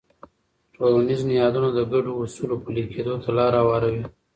ټولنیز نهادونه د ګډو اصولو پلي کېدو ته لاره هواروي.